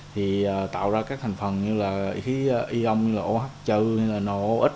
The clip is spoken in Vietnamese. thì tạo ra các thành phần như là khí ion như là oh như là no ox